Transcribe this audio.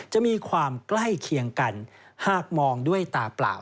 จะมีความใกล้เคียงกันหากมองด้วยตาเปล่า